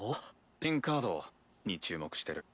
新カード何に注目してる？